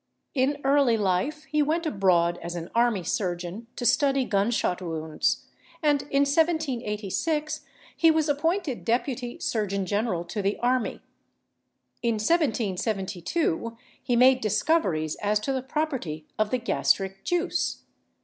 In early life he went abroad as an army surgeon to study gunshot wounds; and in 1786 he was appointed deputy surgeon general to the army. In 1772 he made discoveries as to the property of the gastric juice.